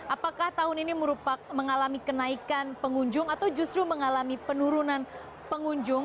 apakah tahun ini merupakan mengalami kenaikan pengunjung atau justru mengalami penurunan pengunjung